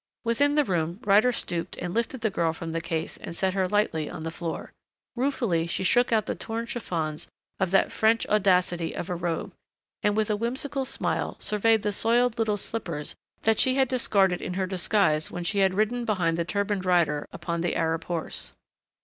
Within the room Ryder stooped and lifted the girl from the case and set her lightly on the floor. Ruefully she shook out the torn chiffons of that French audacity of a robe, and with a whimsical smile surveyed the soiled little slippers that she had discarded in her disguise when she had ridden behind the turbaned Ryder upon the Arab horse.